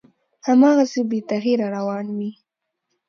هماغسې بې تغییره روان وي،